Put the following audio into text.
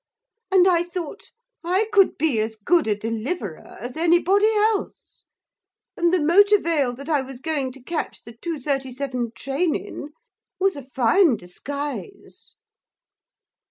And I thought I could be as good a Deliverer as anybody else. And the motor veil that I was going to catch the 2.37 train in was a fine disguise.'